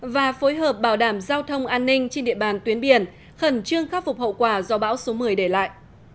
và phối hợp bảo đảm giao thông an ninh trên địa bàn tuyến biển khẩn trương khắc phục hậu quả do bão số một mươi để lại